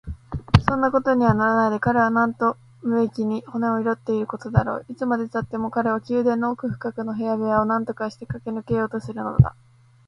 そんなことにはならないで、彼はなんと無益に骨を折っていることだろう。いつまでたっても彼は宮殿の奥深くの部屋部屋をなんとかしてかけ抜けようとするのだ。